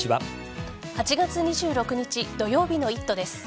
８月２６日土曜日の「イット！」です。